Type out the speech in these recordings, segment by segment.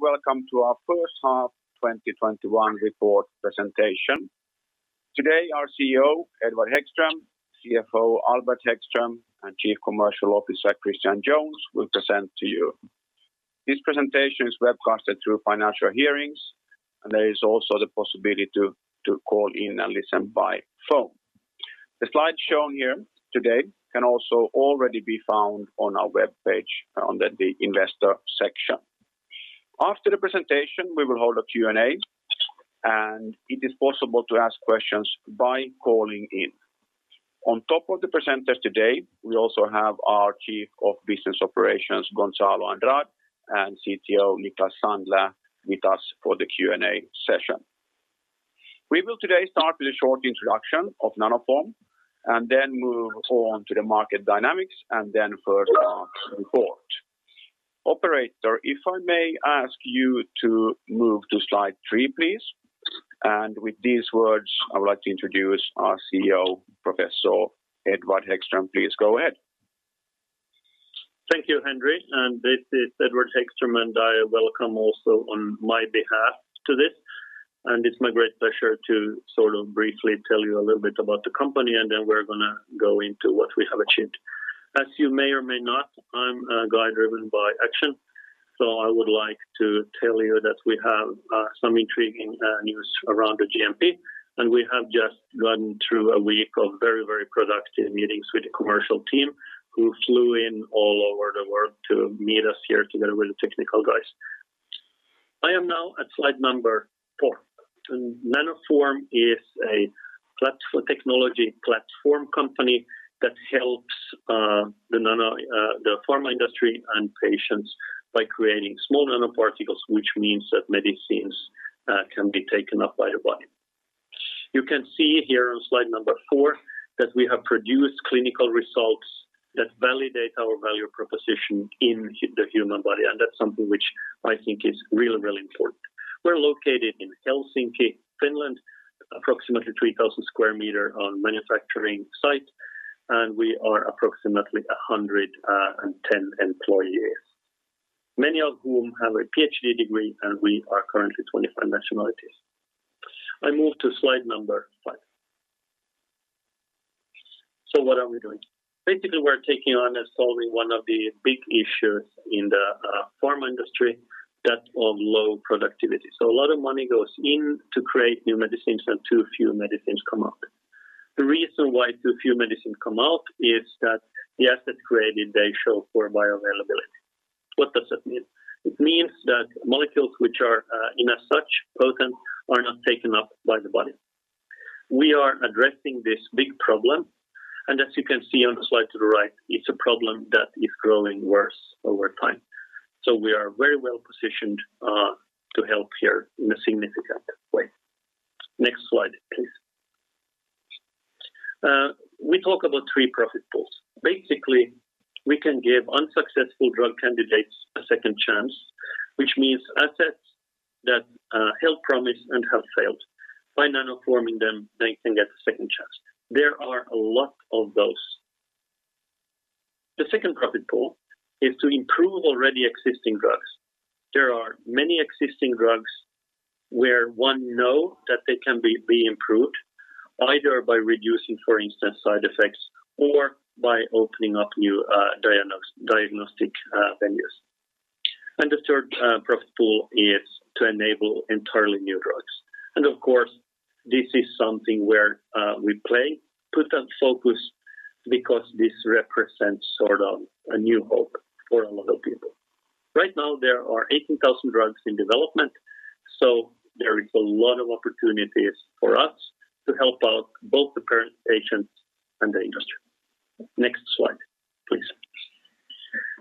Welcome to our first half 2021 report presentation. Today, our CEO, Edward Hæggström, CFO Albert Hæggström, and Chief Commercial Officer, Christian Jones, will present to you. This presentation is webcasted through Financial Hearings, and there is also the possibility to call in and listen by phone. The slides shown here today can also already be found on our webpage under the investor section. After the presentation, we will hold a Q&A, and it is possible to ask questions by calling in. On top of the presenters today, we also have our Chief of Business Operations, Gonçalo Andrade, and CTO, Niklas Sandler, with us for the Q&A session. We will today start with a short introduction of Nanoform and then move on to the market dynamics and then first half report. Operator, if I may ask you to move to slide three, please. With these words, I would like to introduce our CEO, Professor Edward Hæggström. Please go ahead. Thank you, Henri. This is Edward Hæggström, and I welcome also on my behalf to this. It's my great pleasure to sort of briefly tell you a little bit about the company, and then we're going to go into what we have achieved. As you may or may not, I'm a guy driven by action, so I would like to tell you that we have some intriguing news around the GMP, and we have just gone through a week of very productive meetings with the commercial team who flew in all over the world to meet us here together with the technical guys. I am now at slide number four. Nanoform is a technology platform company that helps the pharma industry and patients by creating small nanoparticles, which means that medicines can be taken up by the body. You can see here on slide number four that we have produced clinical results that validate our value proposition in the human body, and that's something which I think is really important. We're located in Helsinki, Finland, approximately 3,000 sq m on manufacturing site, and we are approximately 110 employees. Many of whom have a PhD degree, and we are currently 25 nationalities. I move to slide number five. What are we doing? Basically, we're taking on and solving one of the big issues in the pharma industry that of low productivity. A lot of money goes in to create new medicines, and too few medicines come out. The reason why too few medicines come out is that the assets created, they show poor bioavailability. What does that mean? It means that molecules which are in as such potent are not taken up by the body. We are addressing this big problem, and as you can see on the slide to the right, it's a problem that is growing worse over time. We are very well-positioned to help here in a significant way. Next slide, please. We talk about three profit pools. Basically, we can give unsuccessful drug candidates a second chance, which means assets that held promise and have failed. By nanoforming them, they can get a second chance. There are a lot of those. The second profit pool is to improve already existing drugs. There are many existing drugs where one know that they can be improved either by reducing, for instance, side effects or by opening up new therapeutic venues. And the third profit pool is to enable entirely new drugs. Of course, this is something where we put a focus because this represents sort of a new hope for a lot of people. Right now, there are 18,000 drugs in development, so there is a lot of opportunities for us to help out both the current patients and the industry. Next slide, please.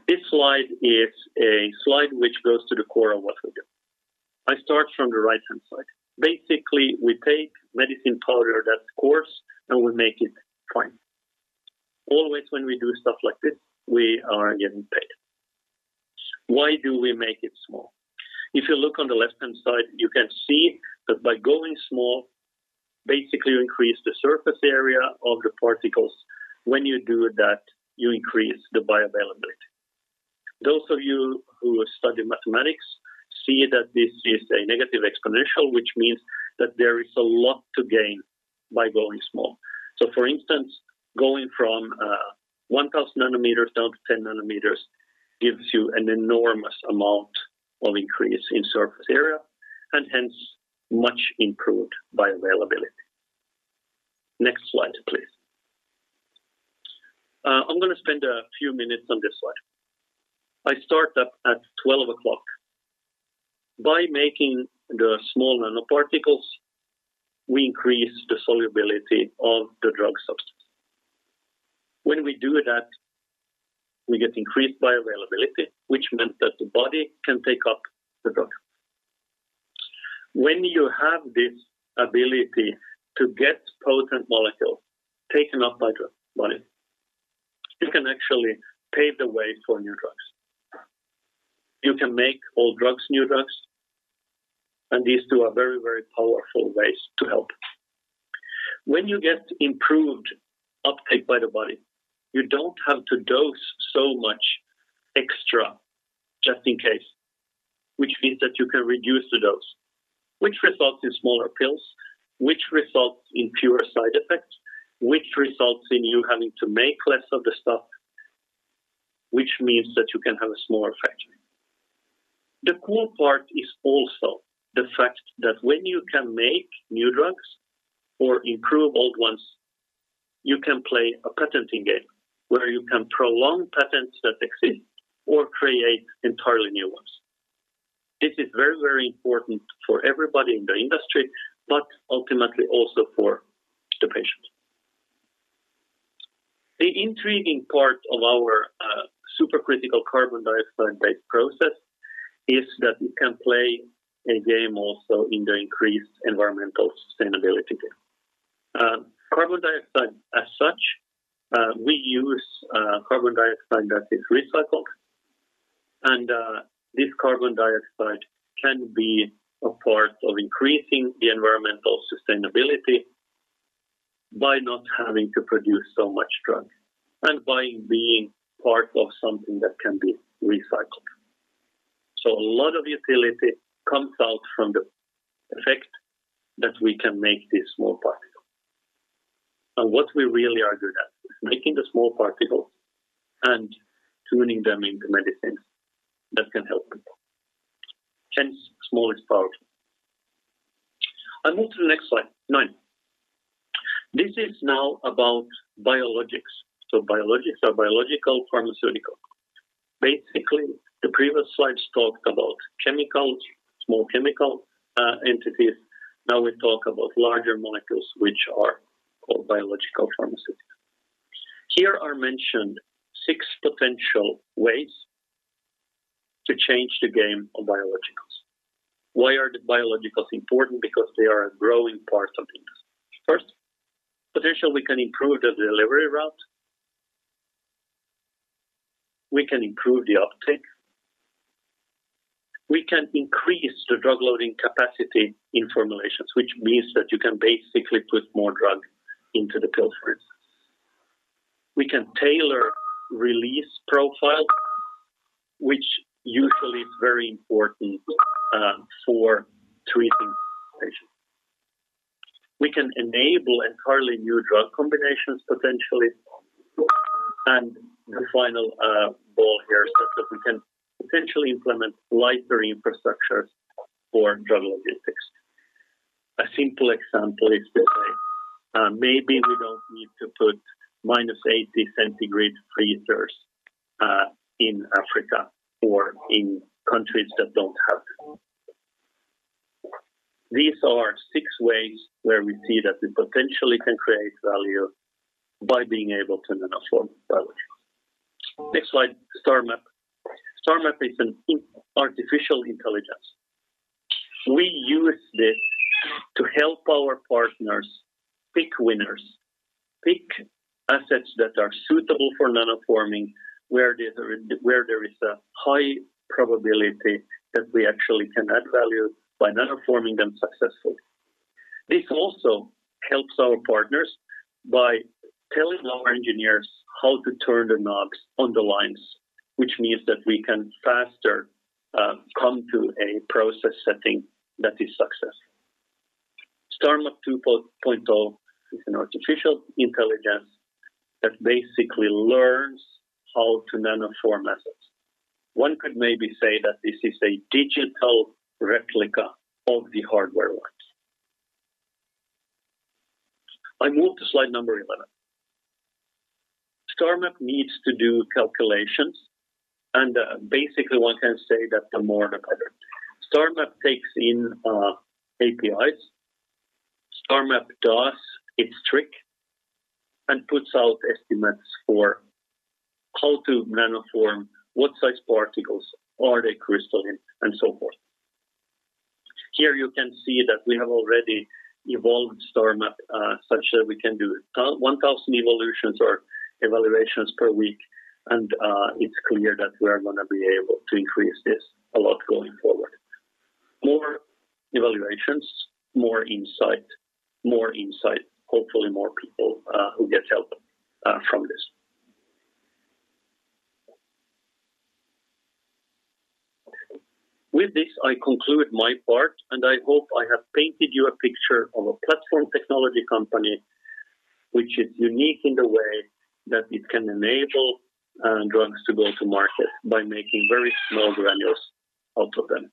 This slide is a slide which goes to the core of what we do. I start from the right-hand side. Basically, we take medicine powder that's coarse, and we make it fine. Always when we do stuff like this, we are getting paid. Why do we make it small? If you look on the left-hand side, you can see that by going small, basically you increase the surface area of the particles. When you do that, you increase the bioavailability. Those of you who study mathematics see that this is a negative exponential, which means that there is a lot to gain by going small. For instance, going from 1,000 nanometers down to 10 nanometers gives you an enormous amount of increase in surface area, and hence, much improved bioavailability. Next slide, please. I am going to spend a few minutes on this slide. I start up at 12 o'clock. By making the small nanoparticles, we increase the solubility of the drug substance. When we do that, we get increased bioavailability, which meant that the body can take up the drug. When you have this ability to get potent molecule taken up by the body, you can actually pave the way for new drugs. You can make old drugs new drugs. These two are very, very powerful ways to help. When you get improved uptake by the body, you don't have to dose so much extra just in case, which means that you can reduce the dose, which results in smaller pills, which results in fewer side effects, which results in you having to make less of the stuff, which means that you can have a smaller factory. The cool part is also the fact that when you can make new drugs or improve old ones, you can play a patenting game where you can prolong patents that exist or create entirely new ones. This is very, very important for everybody in the industry, but ultimately also for the patient. The intriguing part of our supercritical carbon dioxide-based process is that it can play a game also in the increased environmental sustainability game. Carbon dioxide as such, we use carbon dioxide that is recycled. This carbon dioxide can be a part of increasing the environmental sustainability by not having to produce so much drug and by being part of something that can be recycled. A lot of utility comes out from the effect that we can make this small particle. What we really are good at is making the small particle and turning them into medicine that can help people, hence small is powerful. I move to the next slide, 9. This is now about biologics. Biologics are biological pharmaceutical. Basically, the previous slides talked about small chemical entities, now we talk about larger molecules which are called biological pharmaceuticals. Here are mentioned six potential ways to change the game on biologicals. Why are the biologicals important? Because they are a growing part of the industry. First, potentially, we can improve the delivery route. We can improve the uptake. We can increase the drug loading capacity in formulations, which means that you can basically put more drug into the pill, for instance. We can tailor release profiles, which usually is very important for treating patients. We can enable entirely new drug combinations, potentially. The final ball here is that we can potentially implement lighter infrastructures for drug logistics. A simple example is that maybe we don't need to put -80 degrees Celsius freezers in Africa or in countries that don't have it. These are 6 ways where we see that we potentially can create value by being able to nanoform biologics. Next slide, STARMAP®. STARMAP® is an artificial intelligence. We use this to help our partners pick winners, pick assets that are suitable for nanoforming, where there is a high probability that we actually can add value by nanoforming them successfully. This also helps our partners by telling our engineers how to turn the knobs on the lines, which means that we can faster come to a process setting that is successful. STARMAP® 2.0 is an artificial intelligence that basically learns how to nanoform methods. One could maybe say that this is a digital replica of the hardware ones. I move to slide number 11. STARMAP® needs to do calculations, and basically, one can say that the more, the better. STARMAP® takes in APIs. STARMAP® does its trick and puts out estimates for how to nanoform, what size particles are they crystalline, and so forth. Here you can see that we have already evolved STARMAP®, such that we can do 1,000 evolutions or evaluations per week. It's clear that we are going to be able to increase this a lot going forward. More evaluations, more insight, hopefully more people who get help from this. With this, I conclude my part. I hope I have painted you a picture of a platform technology company, which is unique in the way that it can enable drugs to go to market by making very small granules out of them.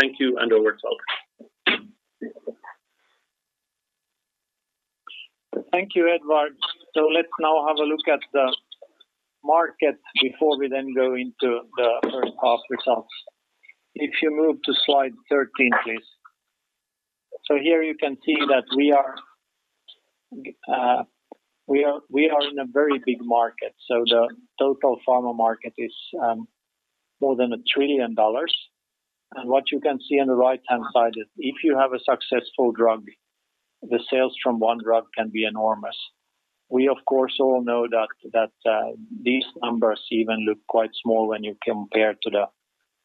Thank you, and over to Ulf. Thank you, Edward. Let's now have a look at the market before we then go into the first half results. If you move to slide 13, please. Here you can see that we are in a very big market. The total pharma market is more than $1 trillion. What you can see on the right-hand side is if you have a successful drug, the sales from one drug can be enormous. We, of course, all know that these numbers even look quite small when you compare to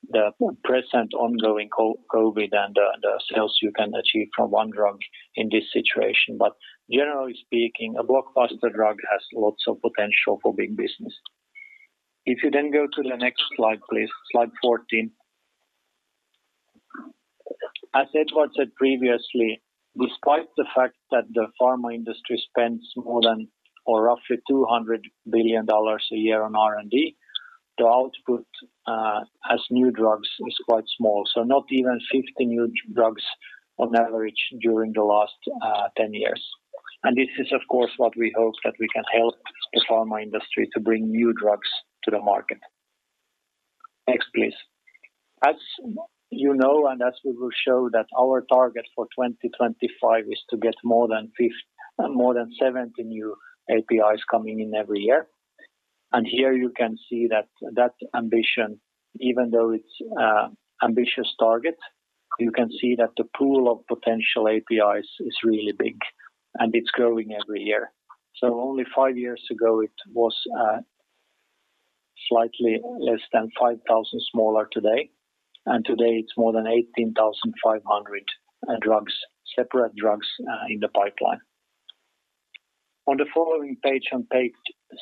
the present ongoing COVID and the sales you can achieve from one drug in this situation. Generally speaking, a blockbuster drug has lots of potential for big business. Go to the next slide, please, slide 14. As Edward said previously, despite the fact that the pharma industry spends more than or roughly EUR 200 billion a year on R&D, the output as new drugs is quite small. Not even 50 new drugs on average during the last 10 years. This is, of course, what we hope that we can help the pharma industry to bring new drugs to the market. Next, please. As you know, as we will show that our target for 2025 is to get more than 70 new APIs coming in every year. Here you can see that ambition, even though it's ambitious target, you can see that the pool of potential APIs is really big and it's growing every year. Only 5 years ago, it was slightly less than 5,000 smaller today. Today, it's more than 18,500 separate drugs in the pipeline. On the following page, on page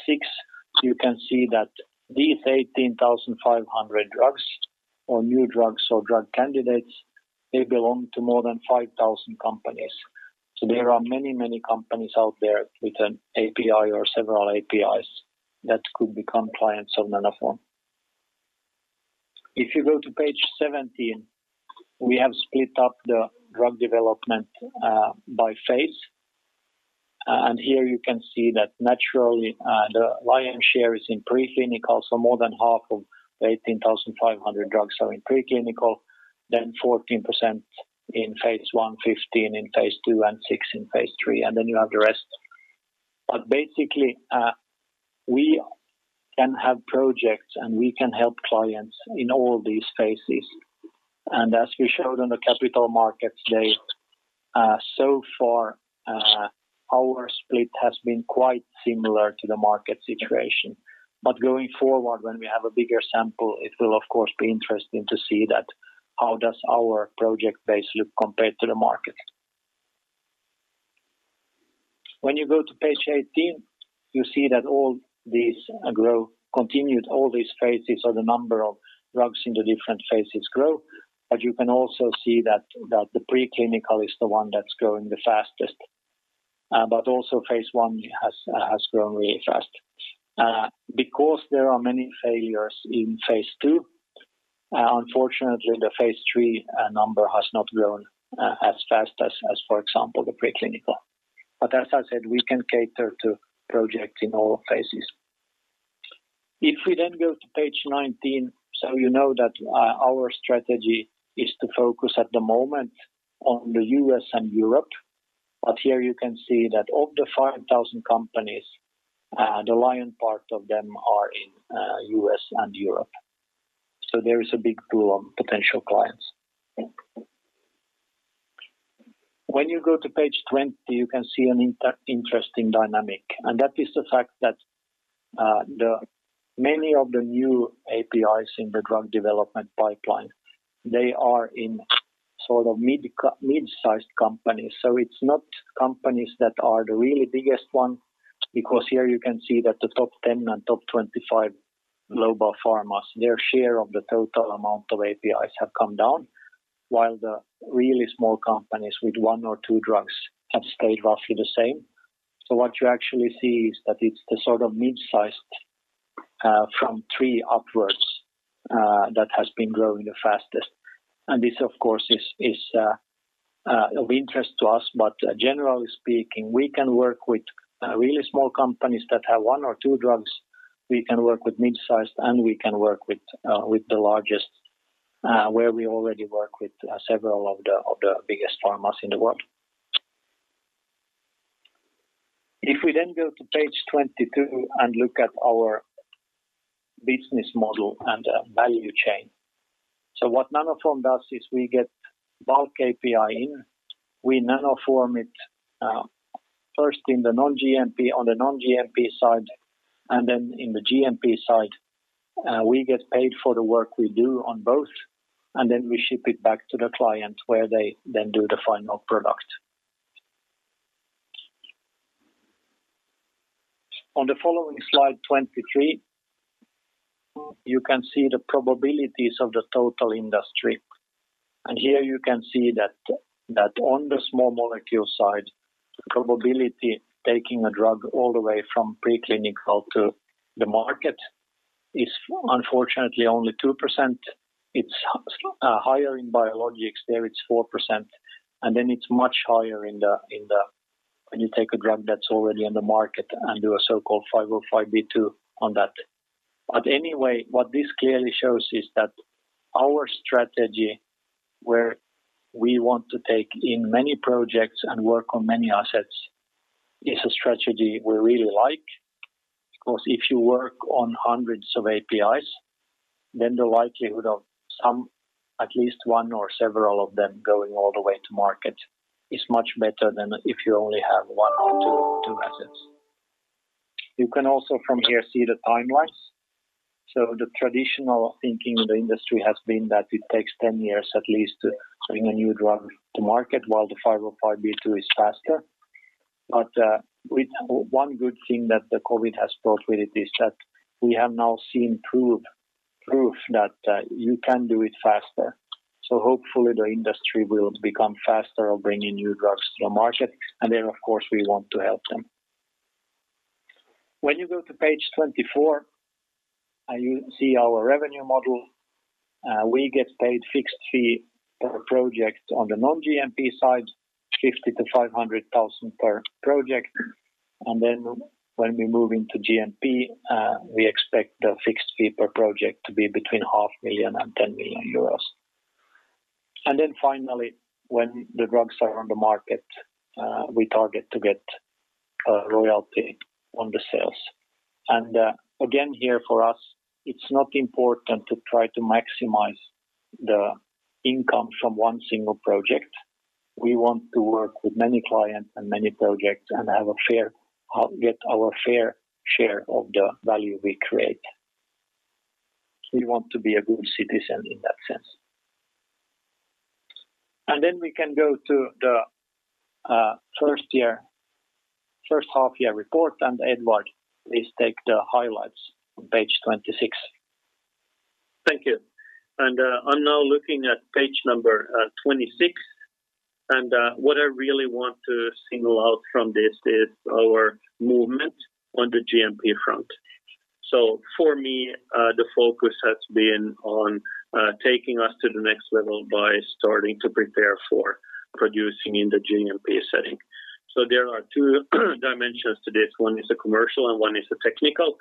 six, you can see that these 18,500 drugs or new drugs or drug candidates, they belong to more than 5,000 companies. There are many, many companies out there with an API or several APIs that could become clients of Nanoform. If you go to page 17, we have split up the drug development by phase. Here you can see that naturally, the lion share is in preclinical, so more than half of the 18,500 drugs are in preclinical, then 14% in phase I, 15% in phase II, and 6% in phase III, and then you have the rest. Basically, we can have projects, and we can help clients in all these phases. As we showed on the Capital Markets Day, so far, our split has been quite similar to the market situation. Going forward, when we have a bigger sample, it will of course be interesting to see that how does our project base look compared to the market. When you go to page 18, you see that all these growth continued, all these phases or the number of drugs in the different phases grow. You can also see that the preclinical is the one that's growing the fastest. Also phase I has grown really fast. Because there are many failures in phase II, unfortunately, the phase III number has not grown as fast as, for example, the preclinical. As I said, we can cater to projects in all phases. If we then go to page 19, you know that our strategy is to focus at the moment on the U.S. and Europe. Here you can see that of the 5,000 companies, the lion part of them are in U.S. and Europe. There is a big pool of potential clients. When you go to page 20, you can see an interesting dynamic, and that is the fact that many of the new APIs in the drug development pipeline, they are in mid-sized companies. It's not companies that are the really biggest one, because here you can see that the top 10 and top 25 global pharmas, their share of the total amount of APIs have come down, while the really small companies with one or two drugs have stayed roughly the same. What you actually see is that it's the mid-sized from three upwards that has been growing the fastest. This, of course, is of interest to us. Generally speaking, we can work with really small companies that have one or two drugs. We can work with mid-sized, and we can work with the largest, where we already work with several of the biggest pharmas in the world. If we then go to page 22 and look at our business model and value chain. What Nanoform does is we get bulk API in, we nanoform it first on the Non-GMP side, and then in the GMP side. We get paid for the work we do on both, and then we ship it back to the client where they then do the final product. On the following slide, 23, you can see the probabilities of the total industry. Here you can see that on the small molecule side, the probability taking a drug all the way from preclinical to the market is unfortunately only 2%. It's higher in biologics. There, it's 4%. It's much higher when you take a drug that's already on the market and do a so-called 505(b)(2) on that. What this clearly shows is that our strategy where we want to take in many projects and work on many assets is a strategy we really like. Of course, if you work on hundreds of APIs, then the likelihood of at least one or several of them going all the way to market is much better than if you only have one or two assets. You can also from here see the timelines. The traditional thinking in the industry has been that it takes 10 years at least to bring a new drug to market, while the 505(b)(2) is faster. One good thing that the COVID has brought with it is that we have now seen proof that you can do it faster. Hopefully the industry will become faster of bringing new drugs to the market, and then of course we want to help them. When you go to page 24, you see our revenue model. We get paid fixed fee per project on the Non-GMP side, 50,000-500,000 per project. Then when we move into GMP, we expect the fixed fee per project to be between EUR half million and 10 million euros. Then finally, when the drugs are on the market, we target to get a royalty on the sales. Again, here for us, it's not important to try to maximize the income from one single project. We want to work with many clients and many projects and get our fair share of the value we create. We want to be a good citizen in that sense. We can go to the first half year report. Edward, please take the highlights on page 26. Thank you. I'm now looking at page 26, and what I really want to single out from this is our movement on the GMP front. For me, the focus has been on taking us to the next level by starting to prepare for producing in the GMP setting. There are two dimensions to this. One is the commercial and one is the technical.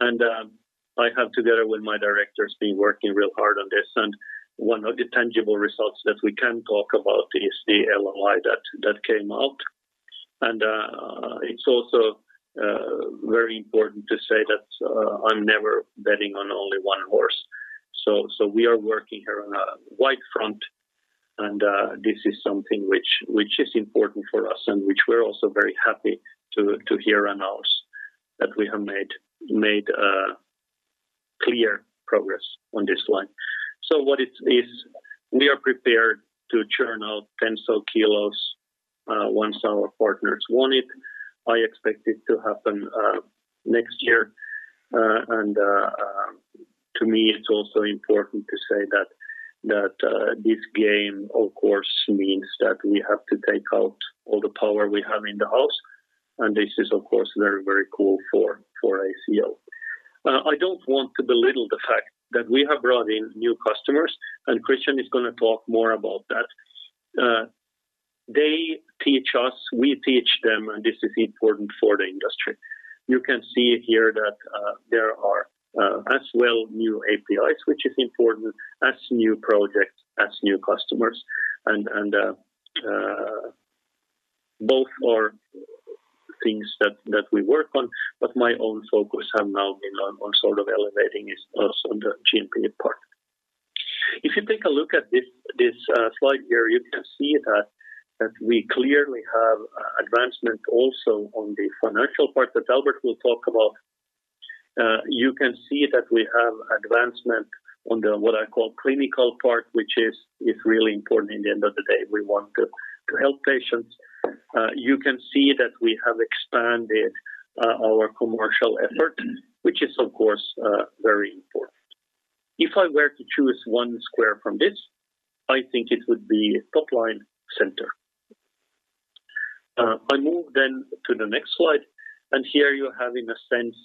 I have, together with my directors, been working real hard on this. One of the tangible results that we can talk about is the LOI that came out. It's also very important to say that I'm never betting on only one horse. We are working here on a wide front and this is something which is important for us and which we're also very happy to hear announce that we have made clear progress on this line. What it is, we are prepared to churn out 10 kilos once our partners want it. I expect it to happen next year. To me it is also important to say that this game of course means that we have to take out all the power we have in the house, and this is of course very cool for ACL. I do not want to belittle the fact that we have brought in new customers, and Christian is going to talk more about that. They teach us, we teach them, and this is important for the industry. You can see here that there are as well new APIs, which is important as new projects, as new customers, and both are things that we work on. My own focus has now been on sort of elevating us on the GMP part. If you take a look at this slide here, you can see that we clearly have advancement also on the financial part that Albert will talk about. You can see that we have advancement on the, what I call clinical part, which is really important in the end of the day. We want to help patients. You can see that we have expanded our commercial effort, which is of course very important. If I were to choose one square from this, I think it would be top line center. I move to the next slide. Here you have in a sense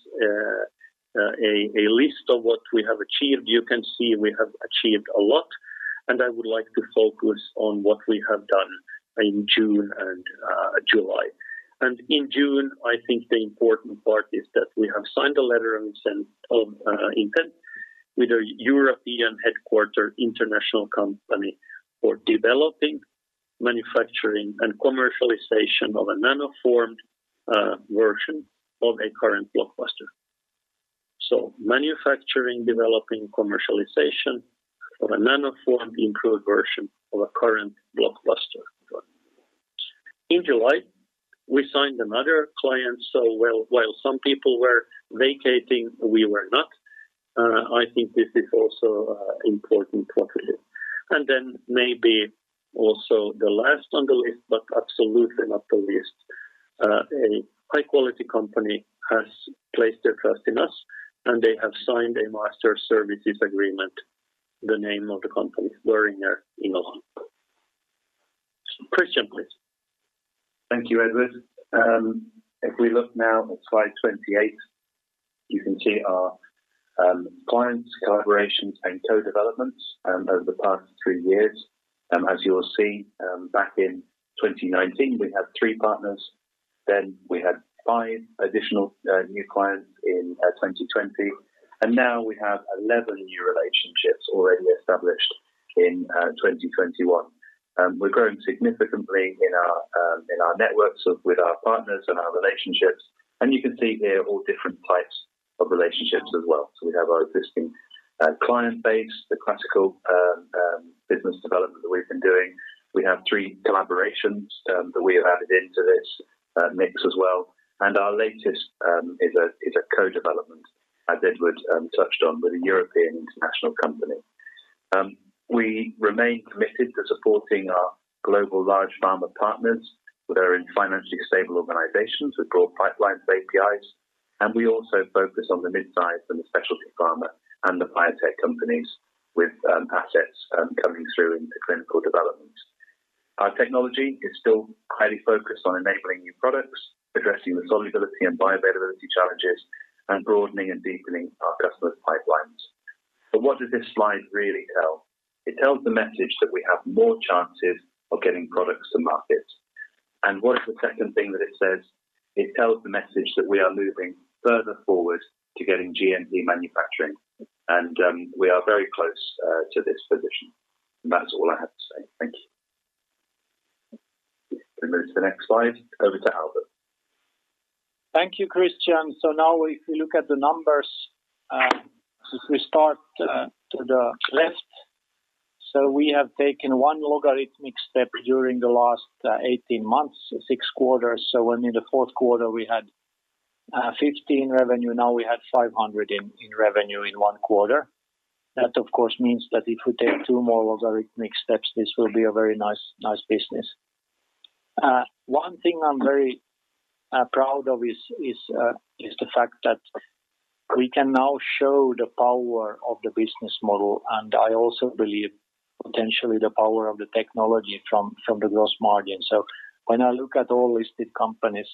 a list of what we have achieved. You can see we have achieved a lot. I would like to focus on what we have done in June and July. In June, I think the important part is that we have signed a letter of intent with a European headquarter international company for developing, manufacturing, and commercialization of a nano-formed version of a current blockbuster. Manufacturing, developing, commercialization of a nano-formed improved version of a current blockbuster drug. In July, we signed another client, so while some people were vacating, we were not. I think this is also important for us. Maybe also the last on the list, but absolutely not the least, a high quality company has placed their trust in us and they have signed a master services agreement. The name of the company is Boehringer Ingelheim. Christian, please. Thank you, Edward. We look now at slide 28, you can see our clients' collaborations and co-developments over the past three years. You will see, back in 2019, we had three partners, then we had five additional new clients in 2020, and now we have 11 new relationships already established in 2021.We're growing significantly in our networks with our partners and our relationships. You can see here all different types of relationships as well. We have our existing client base, the classical business development that we've been doing. We have three collaborations that we have added into this mix as well. Our latest is a co-development, as Edward touched on, with a European international company. We remain committed to supporting our global large pharma partners that are in financially stable organizations with broad pipelines of APIs, and we also focus on the mid-size and the specialty pharma and the biotech companies with assets coming through into clinical development. Our technology is still highly focused on enabling new products, addressing the solubility and bioavailability challenges, and broadening and deepening our customers' pipelines. What does this slide really tell? It tells the message that we have more chances of getting products to market. What is the second thing that it says? It tells the message that we are moving further forward to getting GMP manufacturing, and we are very close to this position. That is all I have to say. Thank you. If we move to the next slide. Over to Albert. Thank you, Christian. Now if you look at the numbers, if we start to the left, we have taken one logarithmic step during the last 18 months, six quarters. When in the fourth quarter, we had 15 revenue, now we had 500 in revenue in one quarter. That, of course, means that if we take two more logarithmic steps, this will be a very nice business. One thing I'm very proud of is the fact that we can now show the power of the business model, and I also believe potentially the power of the technology from the gross margin. When I look at all listed companies,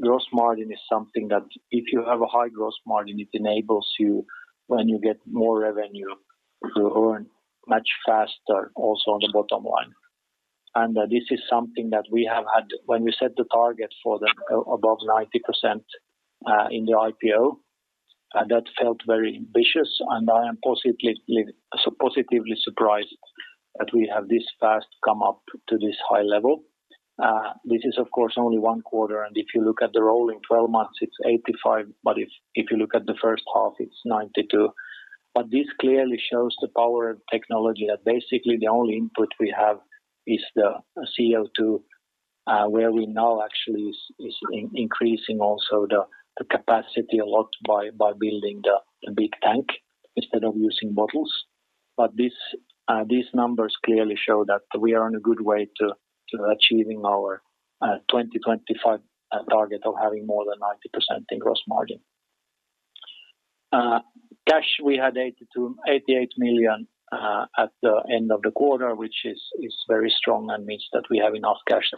gross margin is something that if you have a high gross margin, it enables you, when you get more revenue, to earn much faster also on the bottom line. This is something that we have had when we set the target for the above 90% in the IPO, that felt very ambitious, and I am positively surprised that we have this fast come up to this high level. This is of course only one quarter, and if you look at the rolling 12 months, it's 85%, but if you look at the first half, it's 92%. This clearly shows the power of technology, that basically the only input we have is the CO2, where we now actually is increasing also the capacity a lot by building the big tank instead of using bottles. These numbers clearly show that we are on a good way to achieving our 2025 target of having more than 90% in gross margin. Cash, we had 88 million at the end of the quarter, which is very strong and means that we have enough cash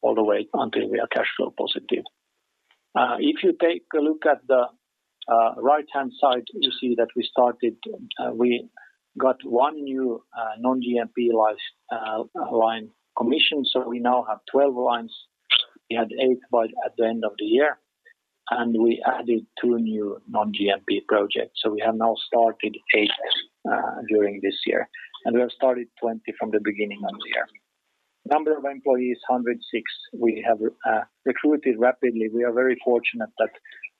all the way until we are cash flow positive. If you take a look at the right-hand side, you see that we got one new Non-GMP line commissioned, so we now have 12 lines. We had eight at the end of the year. We added two new Non-GMP projects. We have now started eight during this year. We have started 20 from the beginning of the year. Number of employees, 106. We have recruited rapidly. We are very fortunate that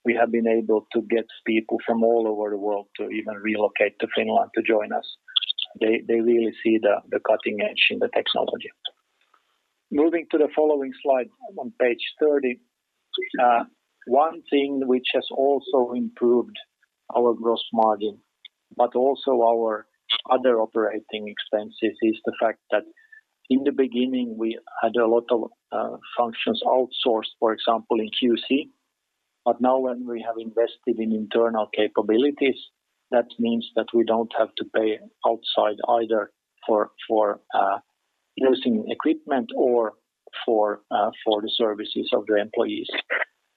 we have been able to get people from all over the world to even relocate to Finland to join us. They really see the cutting edge in the technology. Moving to the following slide on page 30. One thing which has also improved our gross margin, but also our other operating expenses, is the fact that in the beginning, we had a lot of functions outsourced, for example, in QC. Now when we have invested in internal capabilities, that means that we don't have to pay outside either for using equipment or for the services of the employees.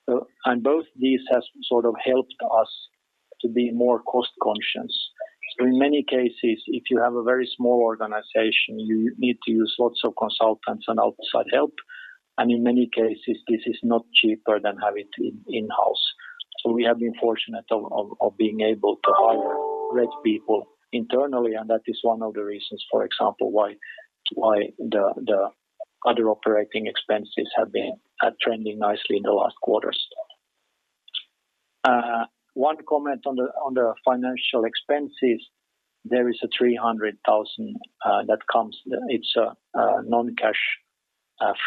Both these have sort of helped us to be more cost-conscious. In many cases, if you have a very small organization, you need to use lots of consultants and outside help. In many cases, this is not cheaper than having it in-house. We have been fortunate of being able to hire great people internally, and that is one of the reasons, for example, why the other operating expenses have been trending nicely in the last quarters. One comment on the financial expenses, there is 300,000 that comes. It's a non-cash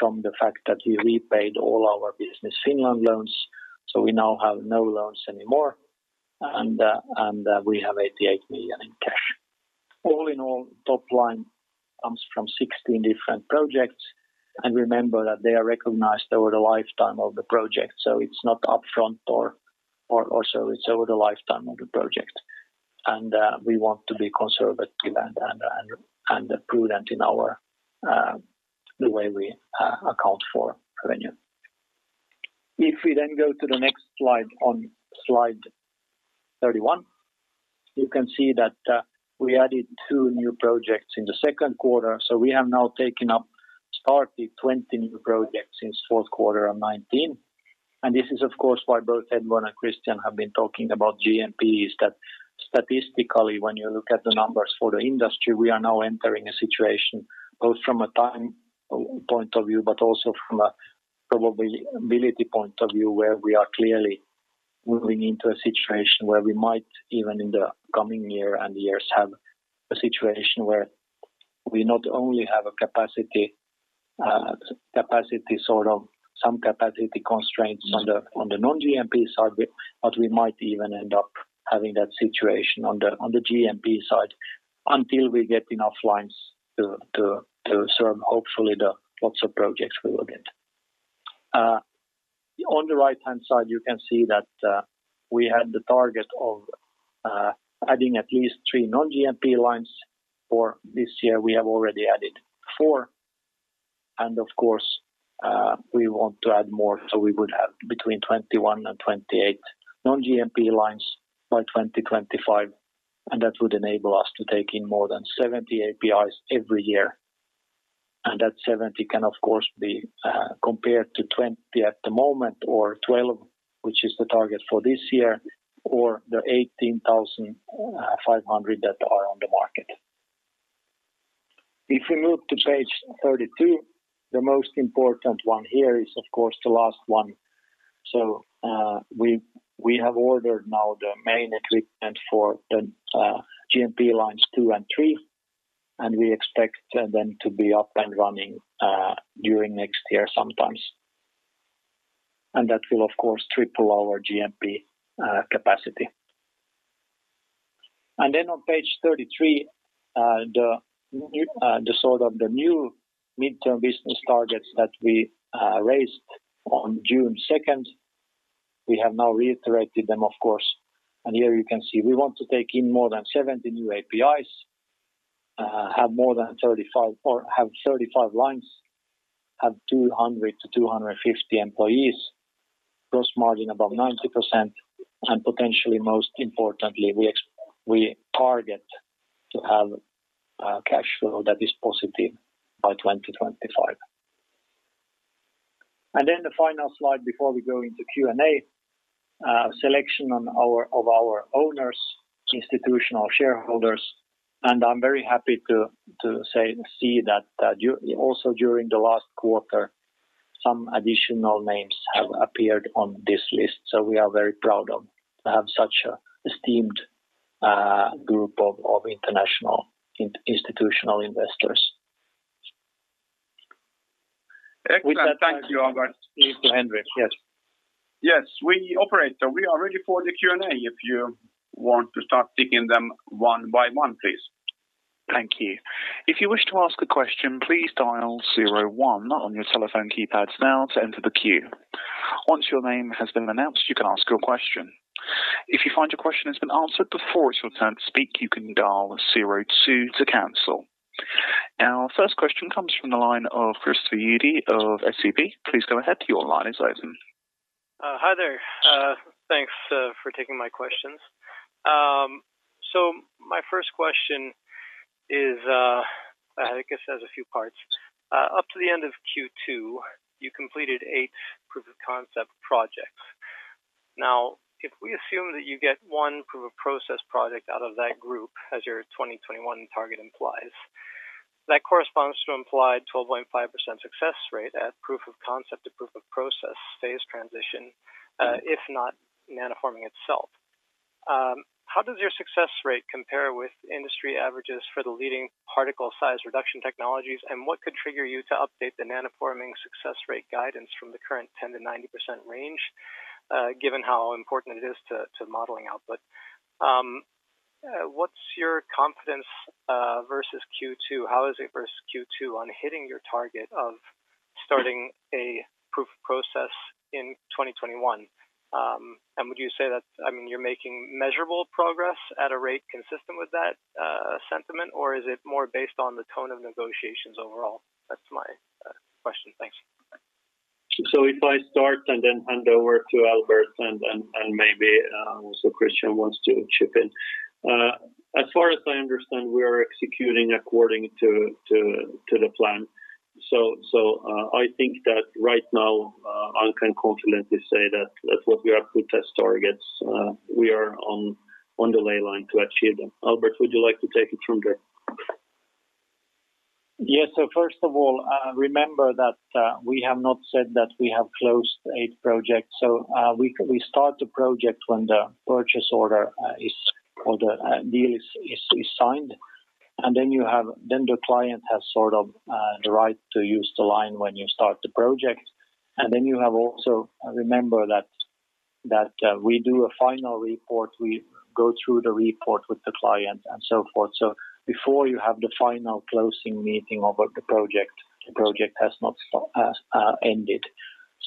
from the fact that we repaid all our Business Finland loans, so we now have no loans anymore. We have 88 million in cash. All in all, top line comes from 16 different projects. Remember that they are recognized over the lifetime of the project. It's not upfront or so. It's over the lifetime of the project. We want to be conservative and prudent in the way we account for revenue. If we then go to the next slide, on slide 31, you can see that we added two new projects in the second quarter. We have now taken up, started 20 new projects since fourth quarter of 2019. This is, of course, why both Edward and Christian have been talking about GMP is that statistically, when you look at the numbers for the industry, we are now entering a situation both from a time point of view, but also from a probability point of view, where we are clearly moving into a situation where we might, even in the coming year and years, have a situation where we not only have some capacity constraints on the Non-GMP side, but we might even end up having that situation on the GMP side until we get enough lines to serve, hopefully, the lots of projects we will get. On the right-hand side, you can see that we had the target of adding at least three Non-GMP lines for this year. We have already added four and, of course, we want to add more, so we would have between 21 and 28 Non-GMP lines by 2025, and that would enable us to take in more than 70 APIs every year. That 70 can, of course, be compared to 20 at the moment or 12, which is the target for this year, or the 18,500 that are on the market. If you look to page 32, the most important one here is, of course, the last one. We have ordered now the main equipment for the GMP lines two and three, and we expect them to be up and running during next year sometime. That will, of course, triple our GMP capacity. On page 33, the new midterm business targets that we raised on June 2, 2021. We have now reiterated them, of course. Here you can see we want to take in more than 70 new APIs, have 35 lines, have 200 to 250 employees, gross margin above 90%, and potentially, most importantly, we target to have cash flow that is positive by 2025. The final slide before we go into Q&A, selection of our owners, institutional shareholders, and I'm very happy to see that also during the last quarter, some additional names have appeared on this list. We are very proud of to have such an esteemed group of international institutional investors. Excellent. Thank you, Albert. To Henri, yes. Yes. We, operator, we are ready for the Q&A if you want to start taking them one by one, please. Thank you. If you wish to ask a question, please dial zero one on your telephone keypads now to enter the queue. Once your name has been announced, you can ask your question. If you find your question is answered before it's your turn to speak, you can dial zero two to cancel. Our first question comes from the line of Christopher Uhde of SEB. Please go ahead. Your line is open. Hi there. Thanks for taking my questions. My first question is, I guess has a few parts. Up to the end of Q2, you completed eight proof of concept projects. If we assume that you get one proof of process project out of that group as your 2021 target implies, that corresponds to implied 12.5% success rate at proof of concept to proof of process phase transition, if not nanoforming itself. How does your success rate compare with industry averages for the leading particle size reduction technologies? What could trigger you to update the nanoforming success rate guidance from the current 10%-90% range, given how important it is to modeling output? What's your confidence versus Q2? How is it versus Q2 on hitting your target of starting a proof of process in 2021? Would you say that, you're making measurable progress at a rate consistent with that sentiment, or is it more based on the tone of negotiations overall? That's my question. Thanks. If I start and then hand over to Albert and maybe also Christian wants to chip in. As far as I understand, we are executing according to the plan. I think that right now, I can confidently say that what we have put as targets, we are on the way line to achieve them. Albert, would you like to take it from there? Yes. First of all, remember that we have not said that we have closed eight projects. We start the project when the purchase order or the deal is signed. The client has the right to use the line when you start the project. You have also, remember that we do a final report. We go through the report with the client and so forth. Before you have the final closing meeting of the project, the project has not ended.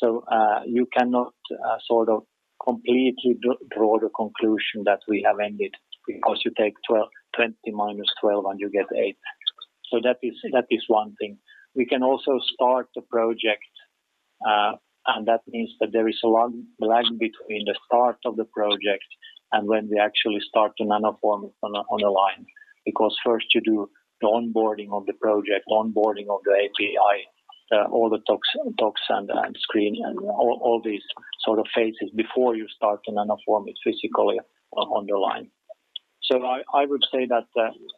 You cannot completely draw the conclusion that we have ended because you take 20 minus 12 and you get eight. That is one thing. We can also start the project, and that means that there is a lag between the start of the project and when we actually start to nanoform on a line. First you do the onboarding of the project, onboarding of the API, all the talks and screen, and all these sort of phases before you start to nanoform it physically on the line. I would say that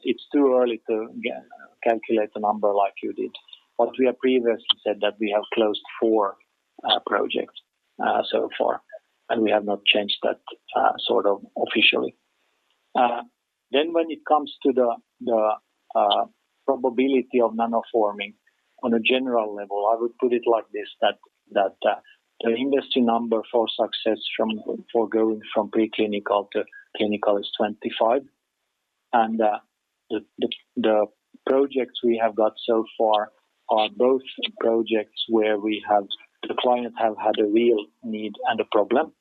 it's too early to calculate the number like you did. We have previously said that we have closed four projects so far, and we have not changed that officially. When it comes to the probability of nanoforming on a general level, I would put it like this, that the industry number for success for going from preclinical to clinical is 25. The projects we have got so far are both projects where the client have had a real need and a problem.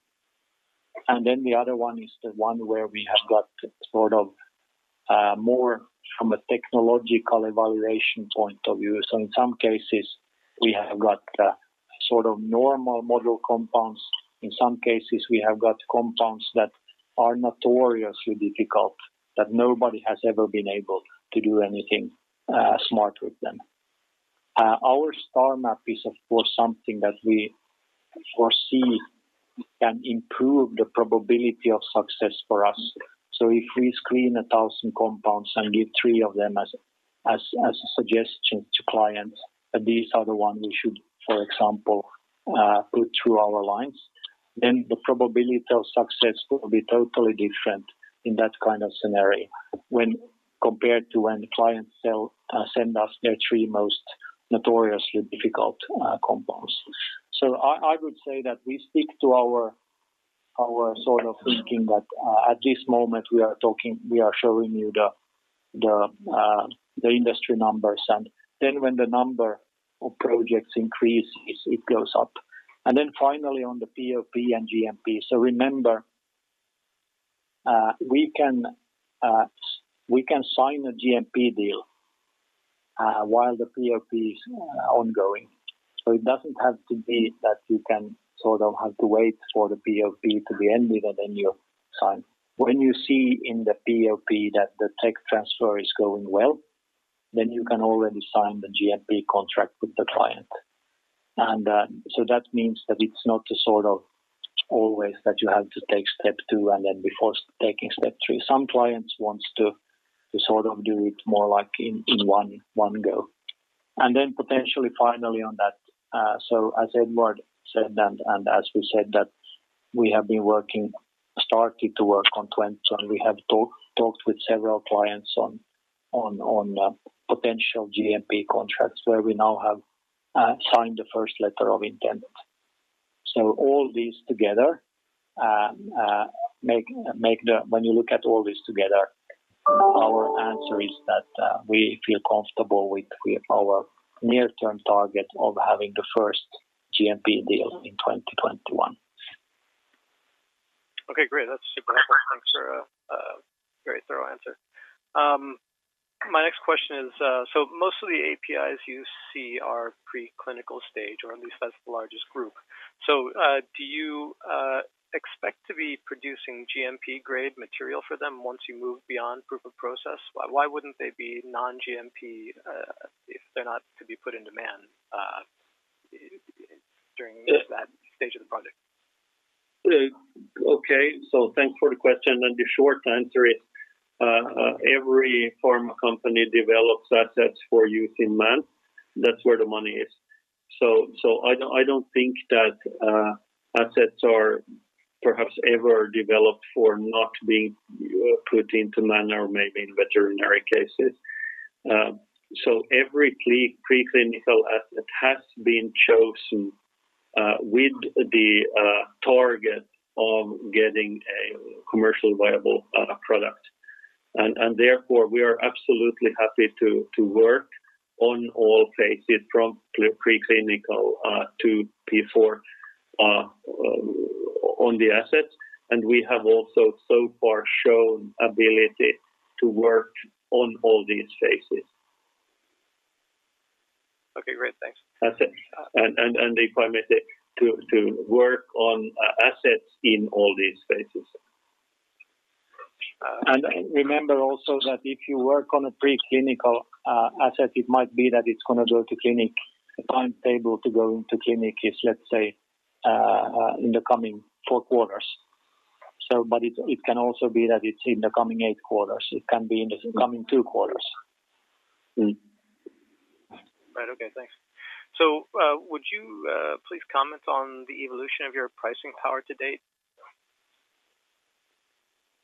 The other one is the one where we have got more from a technological evaluation point of view. In some cases, we have got normal model compounds. In some cases, we have got compounds that are notoriously difficult that nobody has ever been able to do anything smart with them. Our STARMAP is, of course, something that we foresee can improve the probability of success for us. If we screen 1,000 compounds and give three of them as a suggestion to clients that these are the ones we should, for example, put through our lines, then the probability of success will be totally different in that kind of scenario when compared to when clients send us their three most notoriously difficult compounds. I would say that we stick to our thinking that at this moment we are showing you the industry numbers. When the number of projects increases, it goes up. Finally on the PoP and GMP. Remember, we can sign a GMP deal while the PoP is ongoing. It doesn't have to be that you have to wait for the PoP to be ended and then you sign. When you see in the PoP that the tech transfer is going well, then you can already sign the GMP contract with the client. That means that it's not always that you have to take step two and then before taking step three. Some clients want to do it more like in one go. Potentially finally on that, as Edward said and as we said, that we have started to work on 2020. We have talked with several clients on potential GMP contracts where we now have signed the first letter of intent. When you look at all this together, our answer is that we feel comfortable with our near-term target of having the first GMP deal in 2021. Okay, great. That's super helpful. Thanks for a very thorough answer. My next question is, most of the APIs you see are preclinical stage, or at least that's the largest group. Do you expect to be producing GMP-grade material for them once you move beyond proof of process? Why wouldn't they be Non-GMP if they're not to be put in demand during that stage of the project? Okay. Thanks for the question. The short answer is, every pharma company develops assets for use in man. That's where the money is. I don't think that assets are perhaps ever developed for not being put into man or maybe in veterinary cases. Every preclinical asset has been chosen with the target of getting a commercially viable product. Therefore, we are absolutely happy to work on all phases from preclinical to P4 on the assets. We have also so far shown ability to work on all these phases. Okay, great. Thanks. That's it. If I may say, to work on assets in all these phases. Remember also that if you work on a preclinical asset, it might be that it's going to go to clinic. The timetable to go into clinic is, let's say, in the coming four quarters. It can also be that it's in the coming eight quarters. It can be in the coming two quarters. Right. Okay, thanks. Would you please comment on the evolution of your pricing power to date?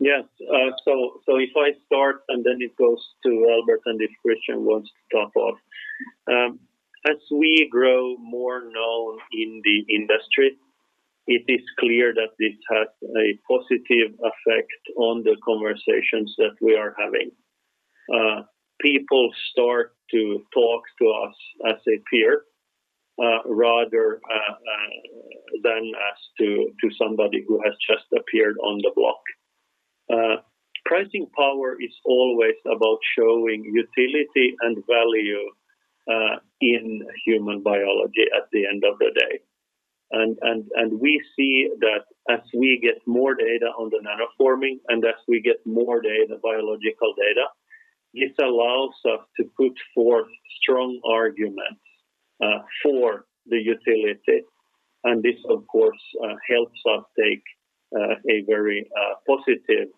Yes. If I start and then it goes to Albert, and if Christian wants to top off. As we grow more known in the industry, it is clear that this has a positive effect on the conversations that we are having. People start to talk to us as a peer rather than as to somebody who has just appeared on the block. Pricing power is always about showing utility and value in human biology at the end of the day. We see that as we get more data on the nanoforming and as we get more biological data, this allows us to put forth strong arguments for the utility. This, of course, helps us take a very positive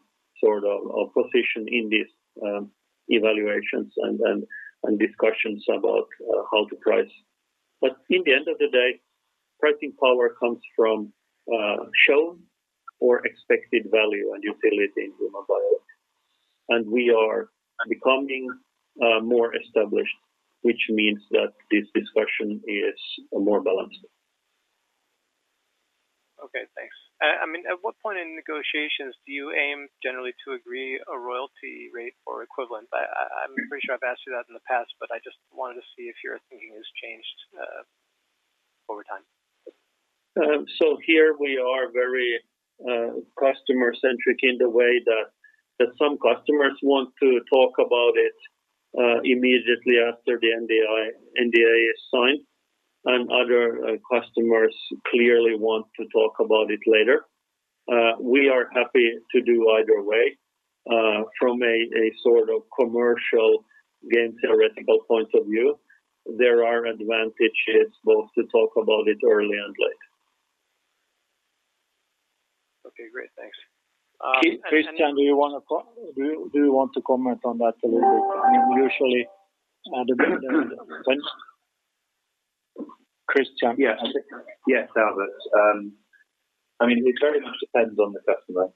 sort of position in these evaluations and discussions about how to price. In the end of the day, pricing power comes from shown or expected value and utility in human biologics. We are becoming more established, which means that this discussion is more balanced. Okay, thanks. At what point in negotiations do you aim generally to agree a royalty rate or equivalent? I'm pretty sure I've asked you that in the past, but I just wanted to see if your thinking has changed over time. Here we are very customer-centric in the way that some customers want to talk about it immediately after the NDA is signed, and other customers clearly want to talk about it later. We are happy to do either way. From a sort of commercial game theoretical point of view, there are advantages both to talk about it early and late. Okay, great. Thanks. Christian, do you want to comment on that a little bit? I mean, usually thanks. Christian. Yes. Albert. I mean, it very much depends on the customer.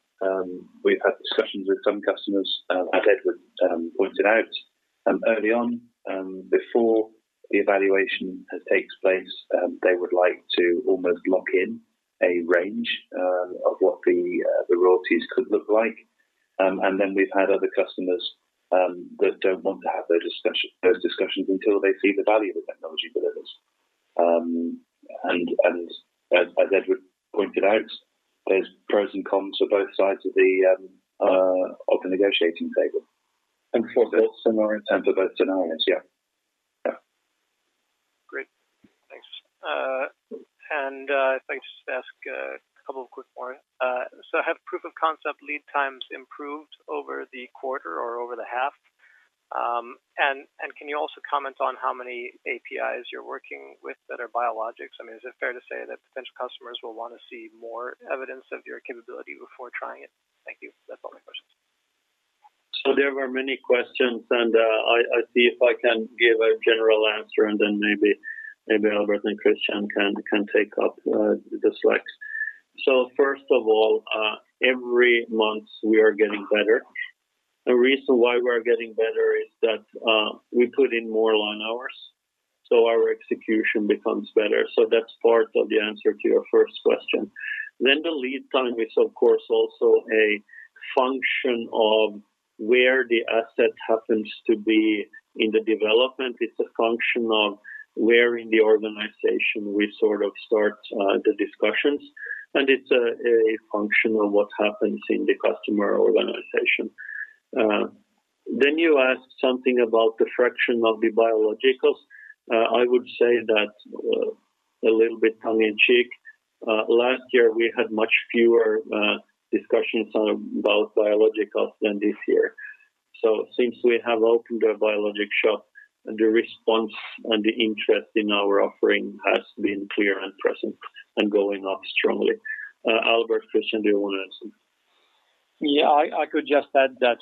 We've had discussions with some customers, as Edward pointed out, early on before the evaluation takes place. They would like to almost lock in a range of what the royalties could look like. We've had other customers that don't want to have those discussions until they see the value the technology delivers. As Edward pointed out, there's pros and cons for both sides of the negotiating table. For both scenarios. For both scenarios, yeah. Great, thanks. If I could just ask a couple of quick more. Have proof of concept lead times improved over the quarter or over the half? Can you also comment on how many APIs you're working with that are biologics? I mean, is it fair to say that potential customers will want to see more evidence of your capability before trying it? Thank you. That's all my questions. There were many questions, and I see if I can give a general answer, and then maybe Albert and Christian can take up the slack. First of all, every month we are getting better. The reason why we're getting better is that we put in more line hours, so our execution becomes better. That's part of the answer to your first question. The lead time is, of course, also a function of where the asset happens to be in the development. It's a function of where in the organization we sort of start the discussions, and it's a function of what happens in the customer organization. You asked something about the fraction of the biologics. I would say that a little bit tongue in cheek. Last year, we had much fewer discussions about biologics than this year. Since we have opened a biologic shop, the response and the interest in our offering has been clear and present and going up strongly. Albert, Christian, do you want to answer? Yeah, I could just add that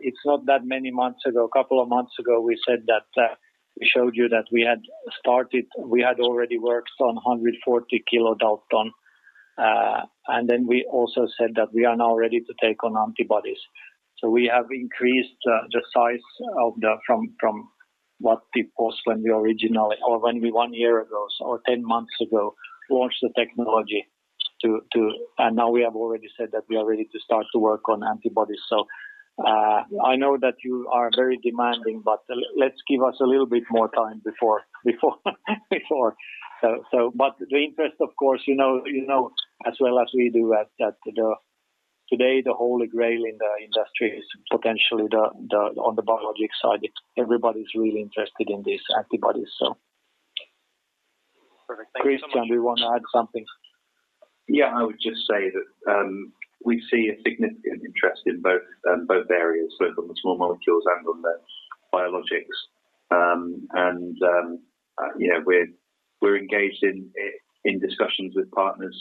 it's not that many months ago. A couple of months ago, we said that we showed you that we had started, we had already worked on 140 kilodalton. Then we also said that we are now ready to take on antibodies. We have increased the size from what people saw when we originally, or when we, one year ago or 10 months ago, launched the technology. Now we have already said that we are ready to start to work on antibodies. I know that you are very demanding, but let's give us a little bit more time before so, but the interest, of course, you know as well as we do that today, the Holy Grail in the industry is potentially on the biologic side. Everybody's really interested in these antibodies. Perfect. Thank you so much. Christian, do you want to add something? Yeah, I would just say that we see a significant interest in both areas, both on the small molecules and on the biologics. We're engaged in discussions with partners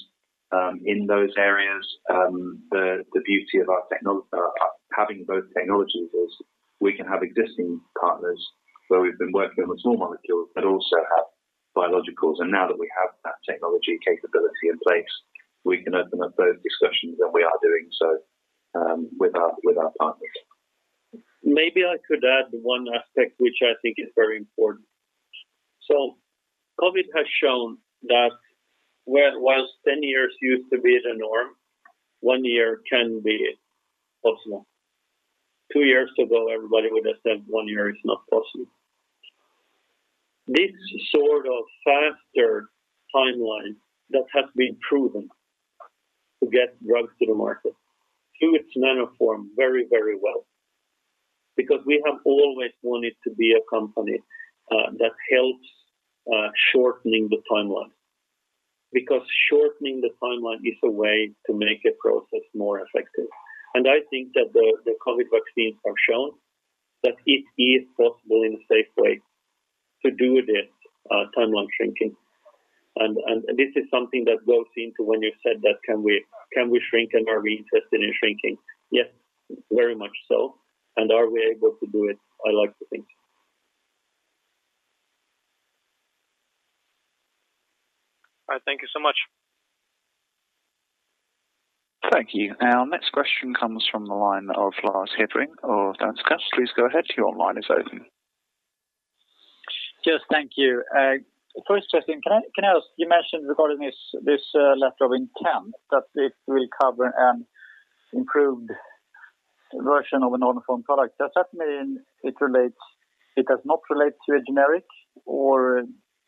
in those areas. The beauty of having both technologies is we can have existing partners where we've been working on the small molecules but also have biologicals. Now that we have that technology capability in place, we can open up those discussions, and we are doing so with our partners. Maybe I could add one aspect, which I think is very important. COVID has shown that whilst 10 years used to be the norm, one year can be possible. Two years ago, everybody would have said one year is not possible. This sort of faster timeline that has been proven to get drugs to the market through its nanoform very well. We have always wanted to be a company that helps shortening the timeline, because shortening the timeline is a way to make a process more effective. I think that the COVID vaccines have shown that it is possible in a safe way to do this timeline shrinking. This is something that goes into when you said that can we shrink and are we interested in shrinking? Yes, very much so. Are we able to do it? I like to think. All right. Thank you so much. Thank you. Our next question comes from the line of Lars Hansen of Danske Bank. Please go ahead. Your line is open. Yes. Thank you. First question, can I ask, you mentioned regarding this letter of intent that it will cover an improved version of a Nanoform product. Does that mean it does not relate to a generic, or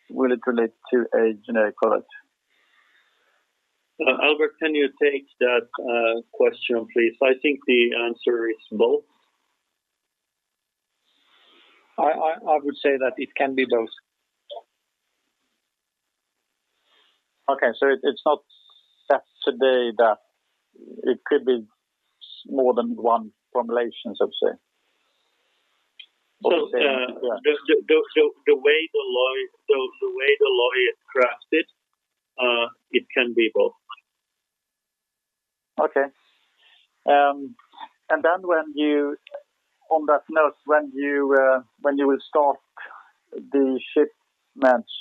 will it relate to a generic product? Albert, can you take that question, please? I think the answer is both. I would say that it can be both. Okay. It's not set today that it could be more than one formulation, so to say. The way the lawyer crafted, it can be both. On that note, when you will start the shipments